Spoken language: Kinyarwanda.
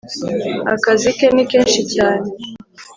akazi ke ni kenshi cyane